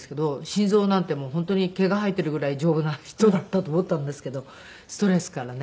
心臓なんて本当に毛が生えているぐらい丈夫な人だったと思ったんですけどストレスからね。